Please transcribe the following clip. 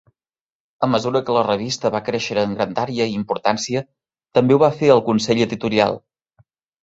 A mesura que la revista va créixer en grandària i importància, també ho va fer el Consell editorial.